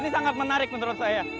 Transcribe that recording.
ini sangat menarik menurut saya